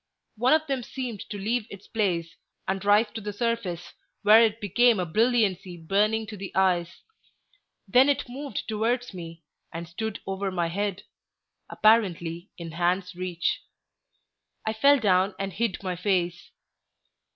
One of them seemed to leave its place, and rise to the surface, where it became a brilliancy burning to the eyes. Then it moved towards me, and stood over my head, apparently in hand's reach. I fell down and hid my face.